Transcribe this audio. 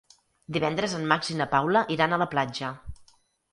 Divendres en Max i na Paula iran a la platja.